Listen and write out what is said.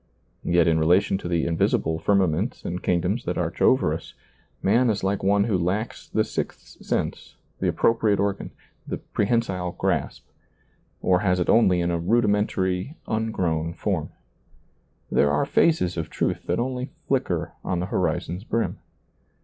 Yet in relation to the invisible firmaments and kingdoms that arch over us, man is like one ^lailizccbvGoOgle SEEING DARKLY ii who lacks the sixth sense, the appropriate organ, the prehensile grasp, or has it only in a rudi mentary, ungrown form. There are phases of truth that only flicker on the horizon's brim.